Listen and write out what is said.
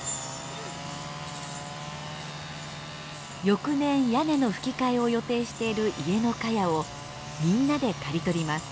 翌年屋根のふき替えを予定している家のカヤをみんなで刈り取ります。